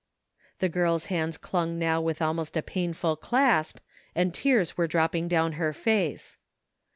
The girl's hands dung now with almost a painful clasp, and tears were dropping down her face.